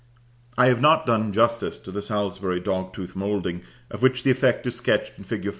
I have not done justice to the Salisbury dog tooth moulding, of which the effect is sketched in fig.